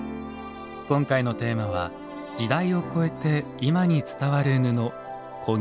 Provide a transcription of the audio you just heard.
今回のテーマは時代を超えて今に伝わる布「古裂」です。